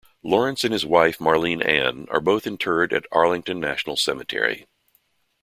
Lawrence and his wife Marlene Ann are both interred at Arlington National Cemetery.